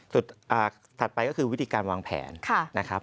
ถัดไปก็คือวิธีการวางแผนนะครับ